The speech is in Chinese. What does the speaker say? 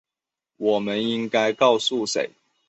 我们应该先告诉谁？